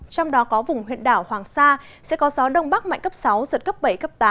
trong đó có vùng huyện đảo hoàng sa sẽ có gió đông bắc mạnh cấp sáu giật cấp bảy cấp tám